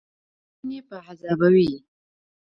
وجدان یې په عذابوي.